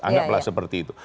anggaplah seperti itu